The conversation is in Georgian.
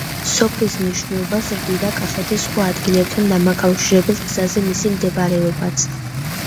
სოფლის მნიშვნელობას ზრდიდა კახეთის სხვა ადგილებთან დამაკავშირებელ გზაზე მისი მდებარეობაც.